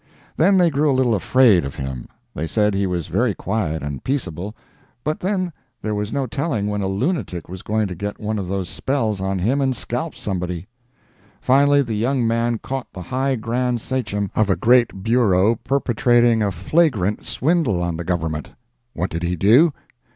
Then they grew a little afraid of him. They said he was very quiet and peaceable, but then there was no telling when a lunatic was going to get one of those spells on him and scalp somebody. Finally the young man caught the high grand sachem of a great bureau perpetrating a flagrant swindle on the Government! What did he do?